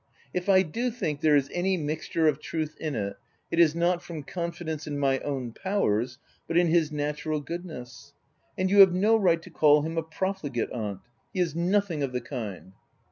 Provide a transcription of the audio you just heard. " If I do think there is any mixture of truth in it, it is not from confidence in my own powers, but in his natural goodness. — And you have no right to call him a profligate, aunt ; he is nothing of the kind."